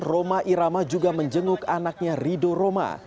roma irama juga menjenguk anaknya rido roma